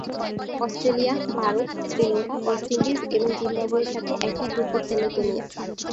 Australia, Bharat, Sri Lanka, West Indies এবং জিম্বাবুয়ের সাথে একই গ্রুপে খেলে কেনিয়া।